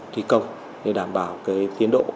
thí công để đảm bảo cái tiến độ